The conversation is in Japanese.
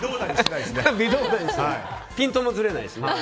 ピントもずれない。